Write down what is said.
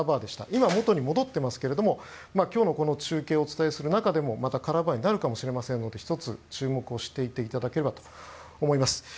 今、元に戻っていますが今日の中継をお伝えする中でもまたカラーバーになるかもしれませんので１つ、注目していていただければと思います。